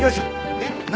えっ何？